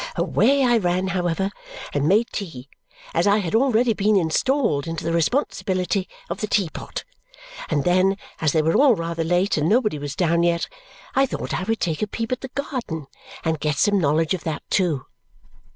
Away I ran, however, and made tea, as I had already been installed into the responsibility of the tea pot; and then, as they were all rather late and nobody was down yet, I thought I would take a peep at the garden and get some knowledge of that too.